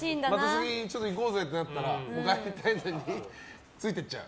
次行こうぜってなったら帰りたいのに、ついていっちゃう。